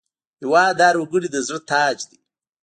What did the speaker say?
هېواد د هر وګړي د زړه تاج دی.